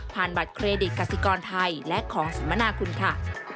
ผ่านบัตรเครดดกราศิกรไทยและของสามัญณาคุณค่ะ